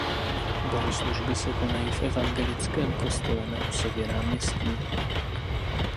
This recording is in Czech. Bohoslužby se konají v evangelickém kostele na Husově náměstí.